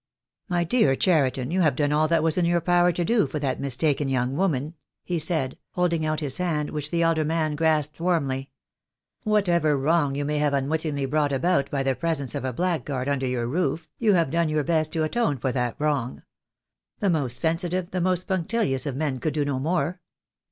"My dear Cheriton, you have done all that was in your power to do for that mistaken young woman," he said, holding out his hand, which the elder man grasped warmly. "Whatever wrong you may have unwittingly brought about by the presence of a blackguard under THE DAY WILL COME. I 65 your roof, you have done your best to atone for that wrong. The most sensitive, the most punctilious of men could do no more."